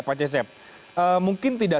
pak cecep mungkin tidak